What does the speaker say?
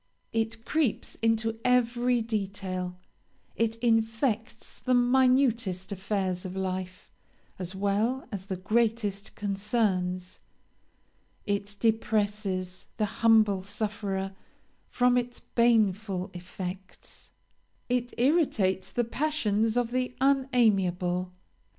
It creeps into every detail; it infects the minutest affairs of life as well as the greatest concerns. It depresses the humble sufferer from its baneful effects; it irritates the passions of the unamiable.